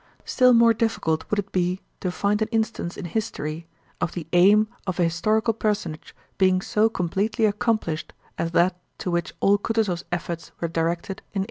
Still more difficult would it be to find an instance in history of the aim of an historical personage being so completely accomplished as that to which all Kutúzov's efforts were directed in 1812.